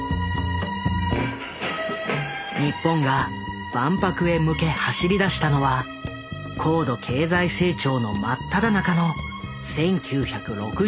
日本が万博へ向け走りだしたのは高度経済成長の真っただ中の１９６０年代。